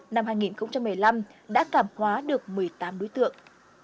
năm hai nghìn một mươi năm đã cảm hóa được một mươi tám đối tượng